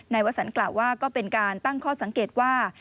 ในวัสดีศาสตร์กล่าวว่าก็เป็นการตั้งข้อสังเกตว่า